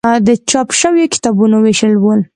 د چاپ شویو کتابونو ویشل و.